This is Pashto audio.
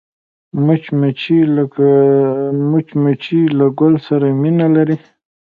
مچمچۍ له ګل سره مینه لري